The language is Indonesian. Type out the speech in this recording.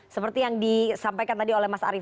seperti yang disampaikan tadi oleh mas arief